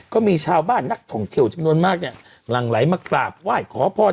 ก็มีชาวบ้านนักท่องเที่ยวจำนวนมากเนี่ยหลังไหลมากราบไหว้ขอพร